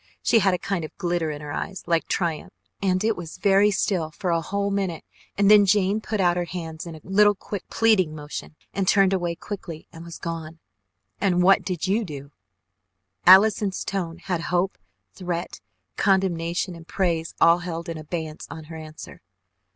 She had a kind of glitter in her eyes, like triumph and it was very still for a whole minute, and then Jane put out her hands in a little, quick, pleading motion and turned away quickly and was gone " "And what did you do?" Allison's tone had hope, threat, condemnation and praise all held in abeyance on her answer.